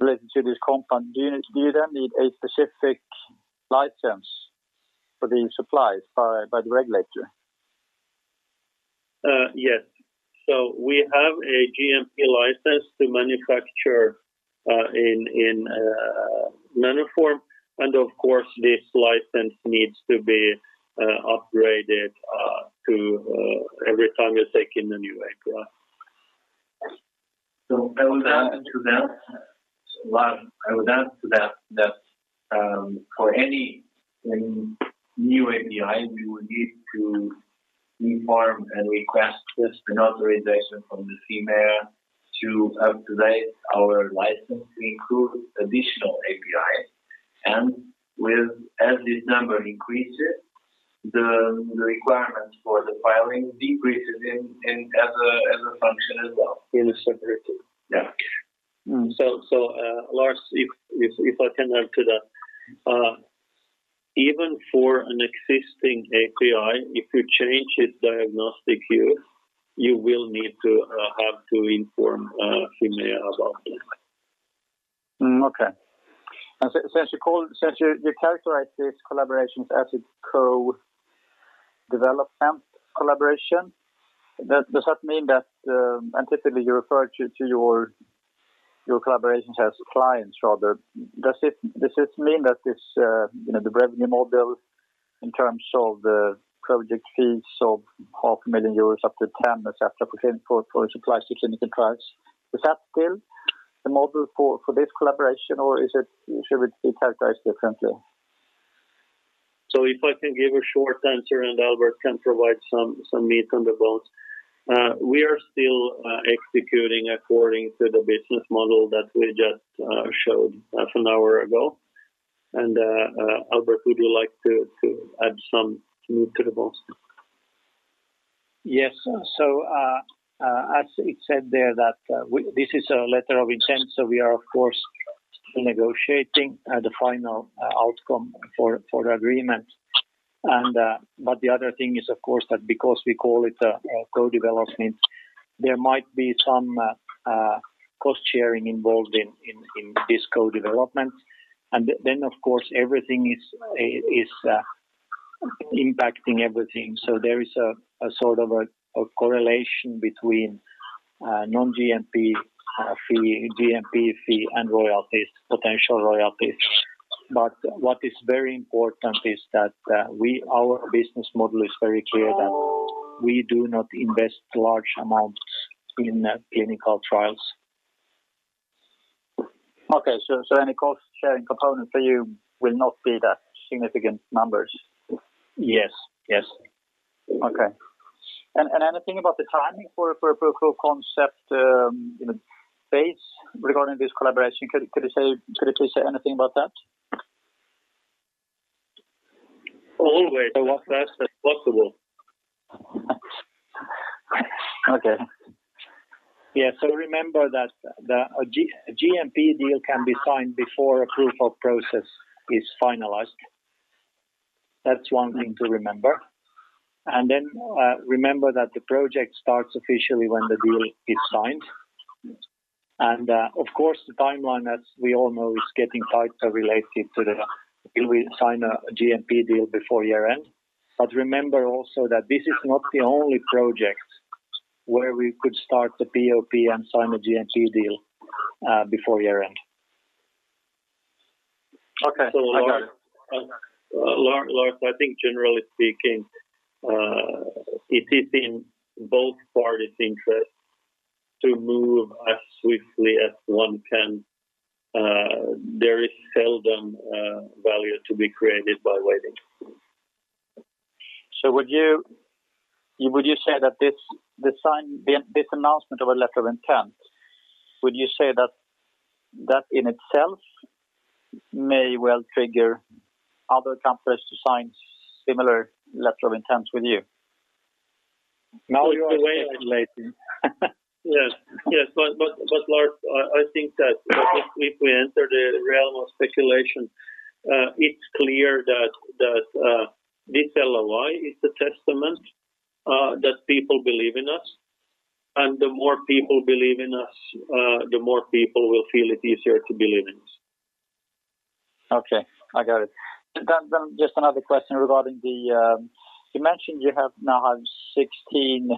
related to this compound, do you then need a specific license for the supplies by the regulator? Yes. We have a GMP license to manufacture in Nanoform, of course, this license needs to be upgraded every time you take in a new API. I would add to that, Lars, that for any new API, we would need to inform and request this, an authorization from the Fimea to update our license to include additional API. As this number increases, the requirements for the filing decreases as a function as well. In a separate fee. Yeah. Lars, if I can add to that. Even for an existing API, if you change its therapeutic use, you will need to inform Fimea about that. Okay. Since you characterize these collaborations as a co-development collaboration, and typically you refer to your collaborations as clients rather, does this mean that the revenue model in terms of the project fees of half a million euros up to 10 million et cetera, for supplies to clinical trials, is that still the model for this collaboration, or should it be characterized differently? If I can give a short answer and Albert can provide some meat on the bones. We are still executing according to the business model that we just showed half an hour ago. Albert, would you like to add some meat to the bones? Yes. As it said there that this is a letter of intent, we are of course still negotiating the final outcome for the agreement. The other thing is, of course, that because we call it a co-development, there might be some cost-sharing involved in this co-development. Of course, everything is impacting everything. There is a sort of a correlation between Non-GMP fee, GMP fee, and potential royalties. What is very important is that our business model is very clear that we do not invest large amounts in clinical trials. Any cost-sharing component for you will not be that significant numbers? Yes. Okay. Anything about the timing for proof of concept phase regarding this collaboration? Could you please say anything about that? Always the fastest possible. Okay. Yeah. Remember that a GMP deal can be signed before a proof of process is finalized. That's one thing to remember. Remember that the project starts officially when the deal is signed. Of course, the timeline, as we all know, is getting tighter related to the, will we sign a GMP deal before year-end? Remember also that this is not the only project where we could start the PoP and sign a GMP deal before year-end. Okay. I got it. Lars, I think generally speaking, it is in both parties' interest. To move as swiftly as one can. There is seldom value to be created by waiting. Would you say that this announcement of a letter of intent, would you say that in itself may well trigger other companies to sign similar letters of intent with you? Now you're speculating. Yes. Lars, I think that if we enter the realm of speculation, it's clear that this LOI is a testament that people believe in us, and the more people believe in us, the more people will feel it easier to believe in us. Okay, I got it. Just another question regarding the You mentioned you now have 16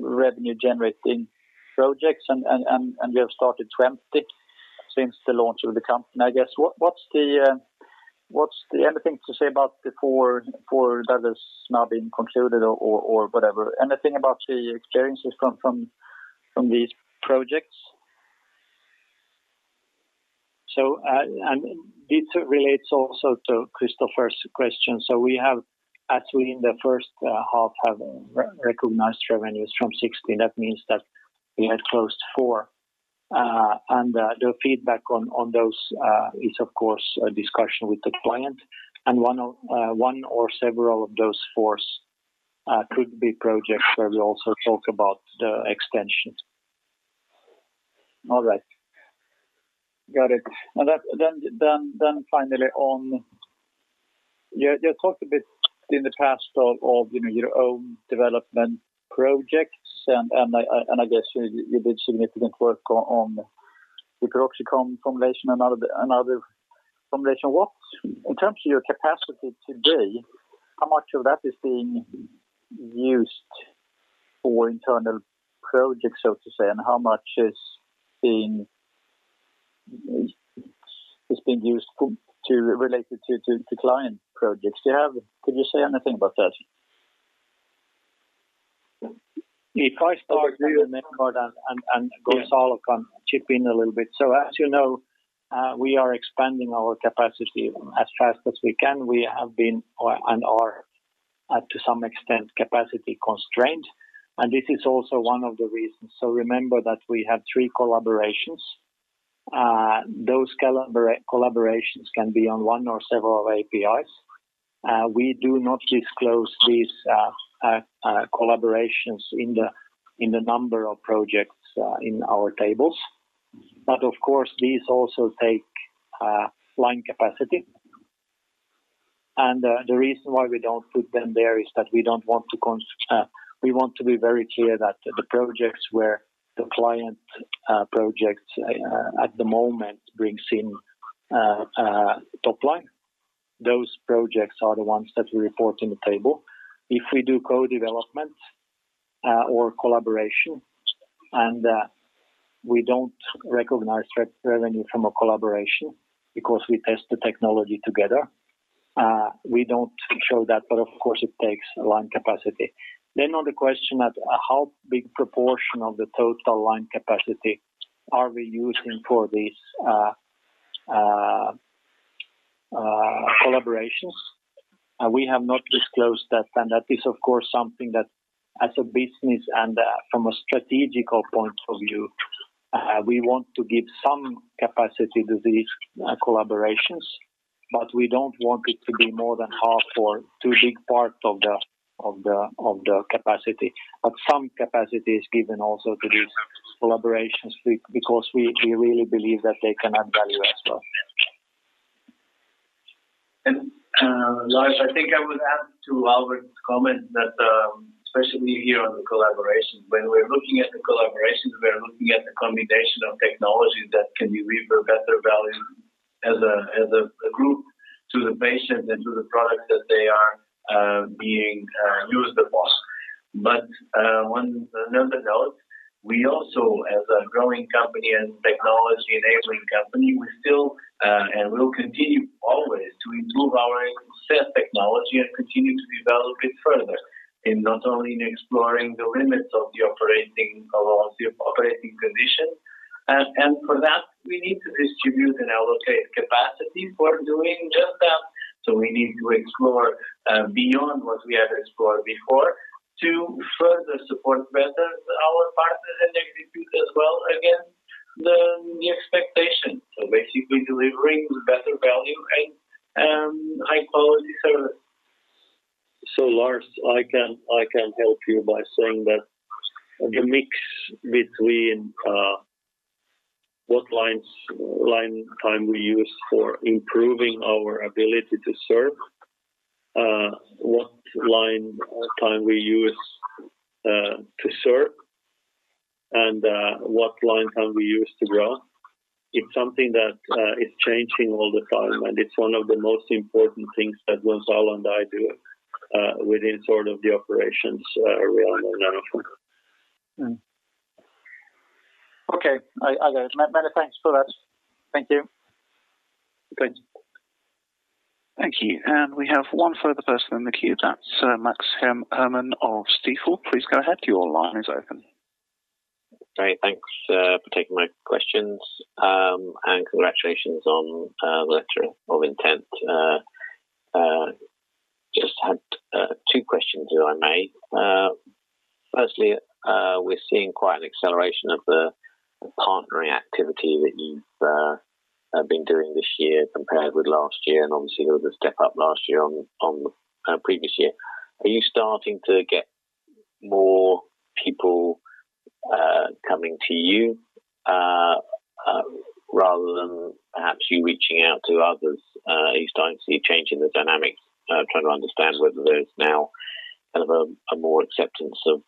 revenue-generating projects and you have started 20 since the launch of the company, I guess. Anything to say about the four that has now been concluded or whatever? Anything about the experiences from these projects? This relates also to Christopher's question. We actually in the first half have recognized revenues from 16. That means that we had closed four. The feedback on those is of course a discussion with the client. One or several of those four could be projects where we also talk about the extensions. All right. Got it. Then finally on, you talked a bit in the past of your own development projects and I guess you did significant work on the piroxicam formulation and other formulation. In terms of your capacity today, how much of that is being used for internal projects, so to say, and how much is being used related to client projects? Could you say anything about that? I start and then Edward Hæggström and Gonçalo Andrade can chip in a little bit. As you know, we are expanding our capacity as fast as we can. We have been, and are to some extent, capacity constrained, and this is also one of the reasons. Remember that we have three collaborations. Those collaborations can be on one or several APIs. We do not disclose these collaborations in the number of projects in our tables. Of course, these also take line capacity. The reason why we don't put them there is that we want to be very clear that the projects where the client projects at the moment brings in top line, those projects are the ones that we report in the table. If we do co-development or collaboration, and we don't recognize revenue from a collaboration because we test the technology together, we don't show that. Of course, it takes line capacity. On the question that how big proportion of the total line capacity are we using for these collaborations? We have not disclosed that. That is of course, something that as a business and from a strategic point of view, we want to give some capacity to these collaborations, but we don't want it to be more than half or too big part of the capacity. Some capacity is given also to these collaborations because we really believe that they can add value as well. Lars, I think I would add to Albert's comment that, especially here on the collaboration. When we're looking at the collaborations, we're looking at the combination of technologies that can deliver better value as a group to the patient and to the product that they are being used upon. On another note, we also as a growing company and technology-enabling company, we still, and will continue always to improve our set technology and continue to develop it further in not only in exploring the limits of the operating condition. For that, we need to distribute and allocate capacity for doing just that. We need to explore beyond what we have explored before to further support better our partners and execute as well against the expectation. Basically delivering better value and high-quality service. Lars, I can help you by saying that the mix between what line time we use for improving our ability to serve, what line time we use to serve, and what line time we use to grow. It's something that is changing all the time, and it's one of the most important things that Gonçalo and I do within sort of the operations realm in Nanoform. Okay. I got it. Many thanks for that. Thank you. Good. Thank you. We have one further person in the queue. That's Max Herrmann of Stifel. Please go ahead. Your line is open. Great. Thanks for taking my questions. Congratulations on the letter of intent. Just had two questions, if I may. Firstly, we're seeing quite an acceleration of the partnering activity that you've been doing this year compared with last year. Obviously, there was a step up last year on the previous year. Are you starting to get more people coming to you rather than perhaps you reaching out to others? Are you starting to see a change in the dynamics? Trying to understand whether there's now a more acceptance of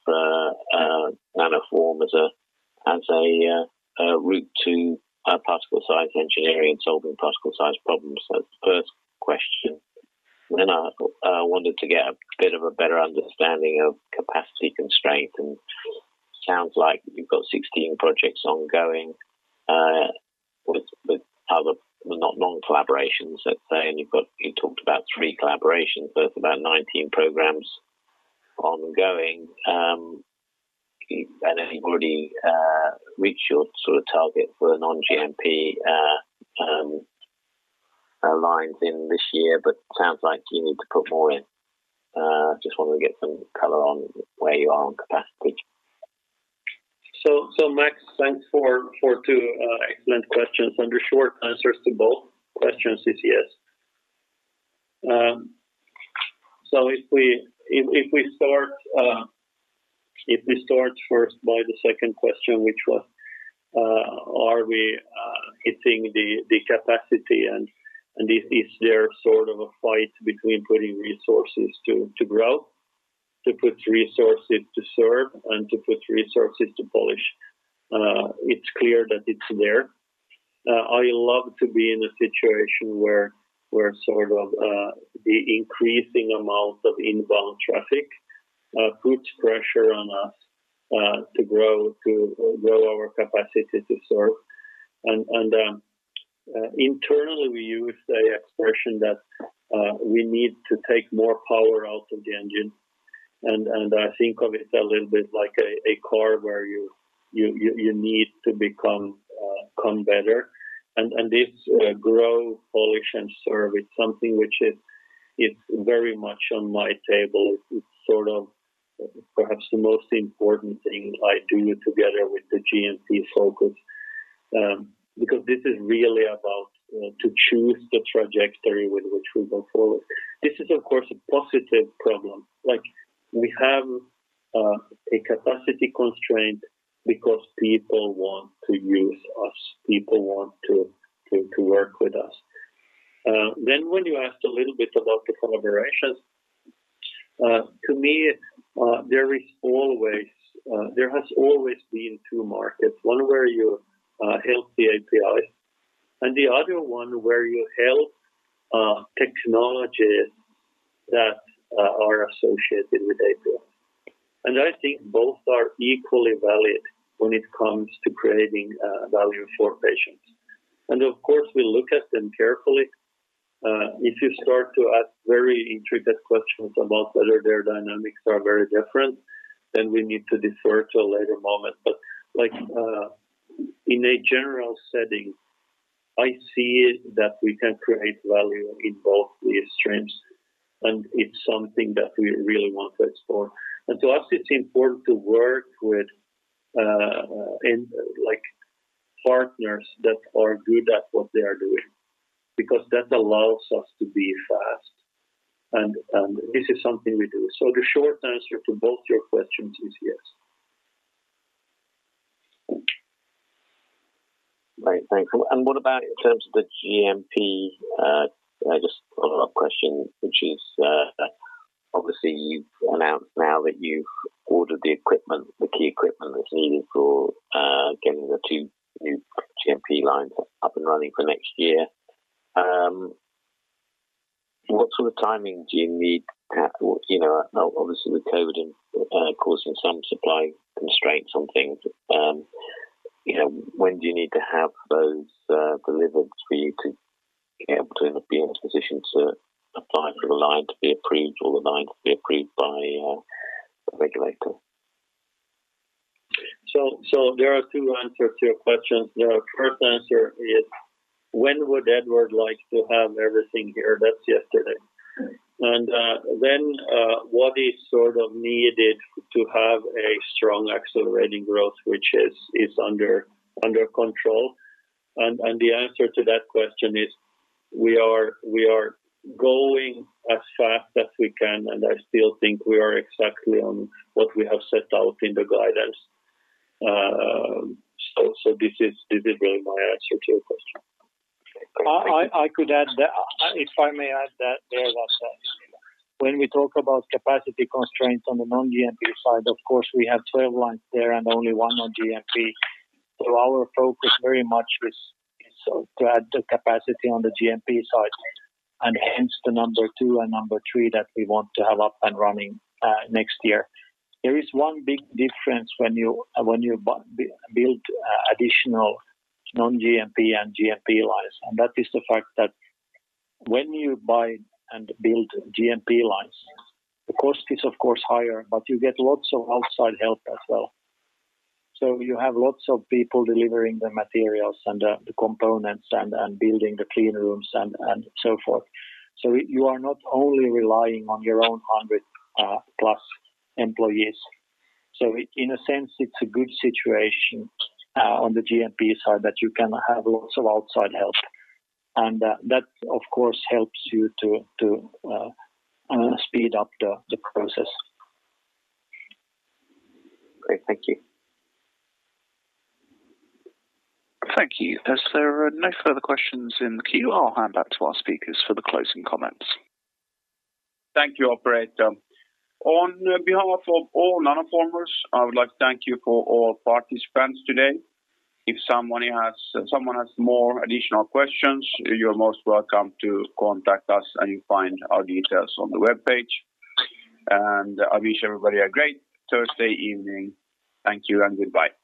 Nanoform as a route to particle size engineering and solving particle size problems. That's the 1st question. I wanted to get a bit of a better understanding of capacity constraint. Sounds like you've got 16 projects ongoing, with other non-collaborations, let's say. You talked about three collaborations. That's about 19 programs ongoing. Had anybody reached your sort of target for Non-GMP lines in this year? Sounds like you need to put more in. Just wanted to get some color on where you are on capacity. Max, thanks for two excellent questions and the short answers to both questions is yes. If we start first by the second question, which was, are we hitting the capacity and is there sort of a fight between putting resources to grow, to put resources to serve, and to put resources to polish? It's clear that it's there. I love to be in a situation where sort of the increasing amount of inbound traffic puts pressure on us to grow our capacity to serve. Internally, we use the expression that we need to take more power out of the engine. I think of it a little bit like a car where you need to become better. This grow, polish, and serve is something which is very much on my table. It's sort of perhaps the most important thing I do together with the GMP focus. This is really about to choose the trajectory with which we go forward. This is, of course, a positive problem. We have a capacity constraint because people want to use us, people want to work with us. When you asked a little bit about the collaborations, to me, there has always been two markets, one where you help the API, and the other one where you help technologies that are associated with API. I think both are equally valid when it comes to creating value for patients. Of course, we look at them carefully. If you start to ask very intricate questions about whether their dynamics are very different, we need to defer to a later moment. In a general setting, I see that we can create value in both these streams, it's something that we really want to explore. To us, it's important to work with partners that are good at what they are doing, because that allows us to be fast. This is something we do. The short answer to both your questions is yes. Great, thanks. What about in terms of the GMP? Just a follow-up question, which is, you've announced now that you've ordered the equipment, the key equipment that's needed for getting the two new GMP lines up and running for next year. What sort of timing do you need? With COVID causing some supply constraints on things, when do you need to have those delivered for you to be able to be in a position to apply for the line to be approved or the line to be approved by the regulator? There are two answers to your question. The first answer is, when would Edward like to have everything here? That's yesterday. What is sort of needed to have a strong accelerating growth, which is under control? The answer to that question is, we are going as fast as we can, and I still think we are exactly on what we have set out in the guidance. This is really my answer to your question. Okay. I could add, if I may add that there was when we talk about capacity constraints on the Non-GMP side, of course, we have 12 lines there and only one on GMP. Our focus very much is to add the capacity on the GMP side, and hence the number two and number three that we want to have up and running next year. There is one big difference when you build additional Non-GMP and GMP lines, and that is the fact that when you buy and build GMP lines, the cost is of course higher, but you get lots of outside help as well. You have lots of people delivering the materials and the components and building the clean rooms and so forth. You are not only relying on your own 100 plus employees. In a sense, it's a good situation on the GMP side that you can have lots of outside help. That, of course, helps you to speed up the process. Great. Thank you. Thank you. As there are no further questions in the queue, I'll hand back to our speakers for the closing comments. Thank you, operator. On behalf of all Nanoformers, I would like to thank you for all participants today. If someone has more additional questions, you are most welcome to contact us, and you will find our details on the webpage. I wish everybody a great Thursday evening. Thank you and goodbye.